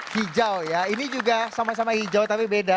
hijau ya ini juga sama sama hijau tapi beda